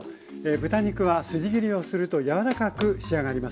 豚肉は筋切りをするとやわらかく仕上がります。